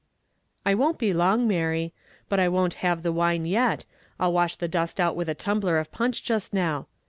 "I won't be so long, Mary; but I won't have the wine yet, I'll wash the dust out with a tumbler of punch just now.